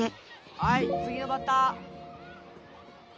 はいつぎのバッター。